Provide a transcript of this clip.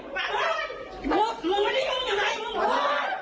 มึงไม่ได้ยุ่งอย่างไร